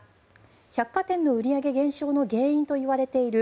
百貨店の売り上げ減少の原因といわれている